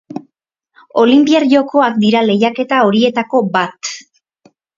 Olinpiar Jokoak dira lehiaketa horietako bat.